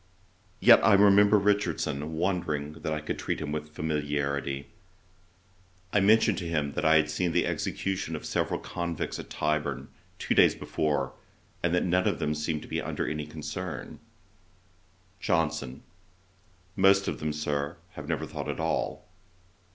Yet I remember Richardson wondering that I could treat him with familiarity.' I mentioned to him that I had seen the execution of several convicts at Tyburn, two days before, and that none of them seemed to be under any concern. JOHNSON. 'Most of them, Sir, have never thought at all.'